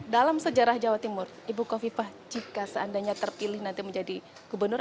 dalam sejarah jawa timur ibu kofifah jika seandainya terpilih nanti menjadi gubernur